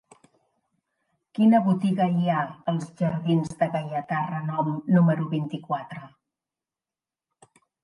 Quina botiga hi ha als jardins de Gaietà Renom número vint-i-quatre?